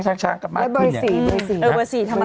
แล้วบริเศษทำอะไรล่ะ